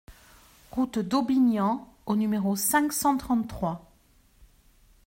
Route d'Aubignan au numéro cinq cent trente-trois